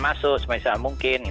kursus semisal mungkin